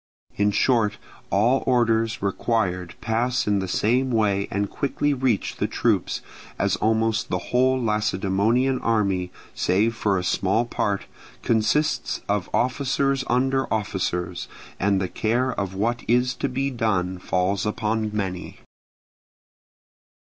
In short all orders required pass in the same way and quickly reach the troops; as almost the whole Lacedaemonian army, save for a small part, consists of officers under officers, and the care of what is to be done falls upon many.